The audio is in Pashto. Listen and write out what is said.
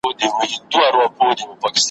په وېش ور رسېدلی په ازل کي فکر شل دی `